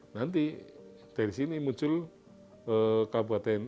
nanti dari sini muncul kabupaten